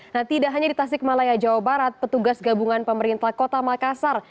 nah tidak hanya di tasik malaya jawa barat petugas gabungan pemerintah kota makassar